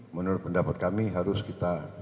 menurut pendapat kami harus kita